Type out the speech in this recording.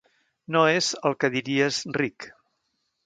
No és el que diries ric.